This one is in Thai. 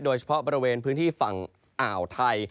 โดยเฉพาะบริเวณพื้นที่ฝั่งอ่าวไทย